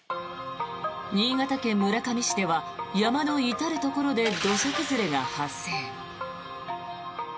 新潟県村上市では山の至るところで土砂崩れが発生。